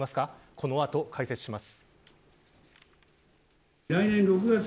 この後、解説します。